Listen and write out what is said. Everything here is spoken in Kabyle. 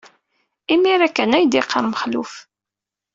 Imir-a kan ay d-iqarr Mexluf.